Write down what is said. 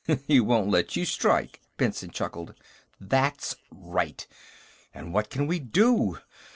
"He won't let you strike," Benson chuckled. "That's right. And what can we do?